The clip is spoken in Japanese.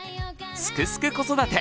「すくすく子育て」